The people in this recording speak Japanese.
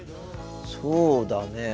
そうだねえ。